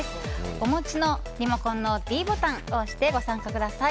お持ちのリモコンのｄボタンを押してご参加ください。